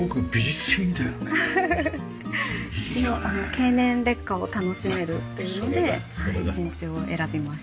経年劣化を楽しめるというので真鍮を選びました。